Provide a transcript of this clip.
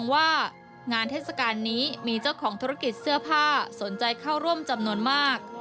ว่างานเทศกาลนี้มีเจ้าของธุรกิจเสื้อผ้าสนใจเข้าร่วมจำนวนมาก